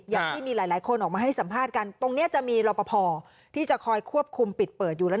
อย่างที่มีหลายคนออกมาให้สัมภาษณ์กันตรงนี้จะมีรอปภที่จะคอยควบคุมปิดเปิดอยู่แล้ว